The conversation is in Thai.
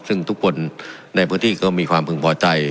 ซึ่งทุกคนในพื้นที่ก็มีความพึงพอใจ